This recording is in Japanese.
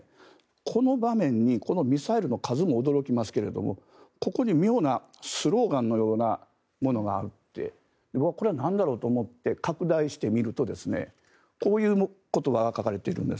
この場面に、このミサイルの数も驚きますけれどここに妙なスローガンのようなものがあってこれはなんだろうと思って拡大してみるとこういう言葉が書かれているんです。